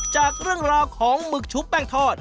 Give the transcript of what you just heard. จากเรื่องราวของหมึกชุบแป้งทอด